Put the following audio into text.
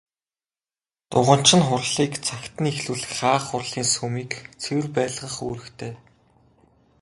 Дуганч нь хурлыг цагт нь эхлүүлэх, хаах, хурлын сүмийг цэвэр байлгах үүрэгтэй.